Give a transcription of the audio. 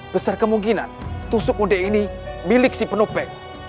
besar kemungkinan tusuk kondek ini milik si penopeng